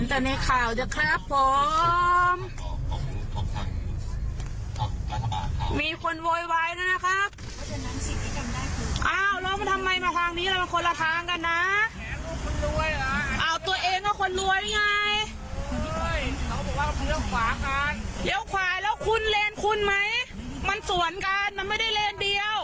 เดี๋ยวขวากันแล้วคุณเลนคุณไหมมันสวนกันมันไม่ได้เลนเดียว